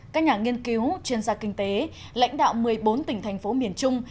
các nhà nghiên cứu chuyên gia kinh tế lãnh đạo một mươi bốn tỉnh thành phố miền trung